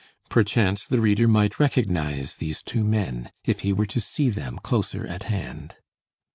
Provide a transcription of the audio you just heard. Perchance the reader might recognize these two men, if he were to see them closer at hand.